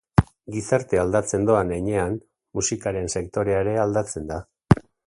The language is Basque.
Gizartea aldatzen doan heinean, musikaren sektorea ere aldatzen da.